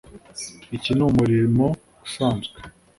Iki ni umurimo usanzwe